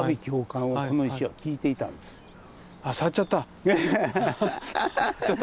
あ触っちゃった。